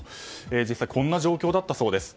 実際、こんな状況だったそうです。